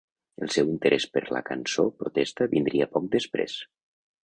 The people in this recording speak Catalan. El seu interès per la Cançó protesta vindria poc després.